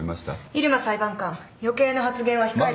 入間裁判官余計な発言は控え。